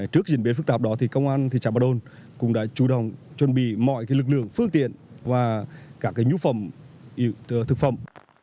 trước diễn biến phức tạp đó thì công an thị xã bà đồn cũng đã chủ động chuẩn bị mọi lực lượng phương tiện và các nhu phẩm thực phẩm